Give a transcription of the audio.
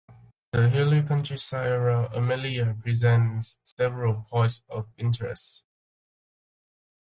The hilly countryside around Amelia presents several points of interest.